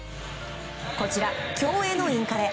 こちら、競泳のインカレ。